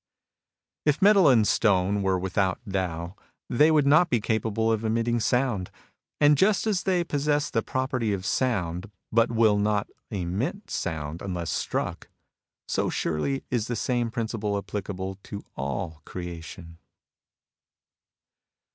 If metal and stone were without Tao, they would not be capable of emitting sound. And just as they possess the property of sound, but will not emit sound unless struck, so surely is the same principle applicable to all creation.